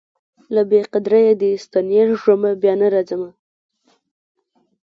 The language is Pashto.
له بې قدریه دي ستنېږمه بیا نه راځمه